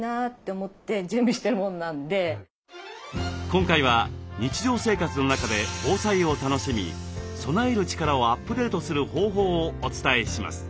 今回は日常生活の中で防災を楽しみ備える力をアップデートする方法をお伝えします。